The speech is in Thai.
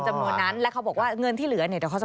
ใช่เขาบอกแบบนี้